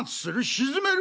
沈める？